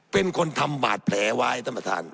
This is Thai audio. เป็นคนทำบาดแผลไว้ท่านประธาน